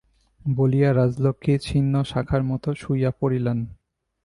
বলিয়া রাজলক্ষ্মী ছিন্ন শাখার মতো শুইয়া পড়িলেন।